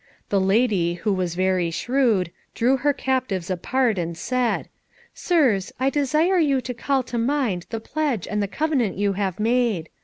The lady, who was very shrewd, drew her captives apart, and said, "Sirs, I desire you to call to mind the pledge and the covenant you have made.